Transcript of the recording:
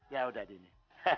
ya udah dini